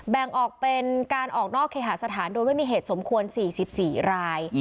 แบ่งออกเป็นการออกนอกเคหาสถานโดยไม่มีเหตุสมควร๔๔ราย